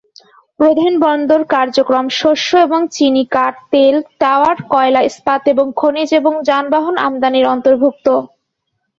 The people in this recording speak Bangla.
প্রধান বন্দর কার্যক্রম শস্য এবং চিনি, কাঠ, তেল টাওয়ার, কয়লা, ইস্পাত এবং খনিজ, এবং যানবাহন আমদানী অন্তর্ভুক্ত।